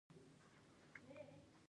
زه خپل موبایل ډېر نه استعمالوم.